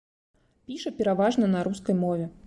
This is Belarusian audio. Піша пераважна на рускай мове.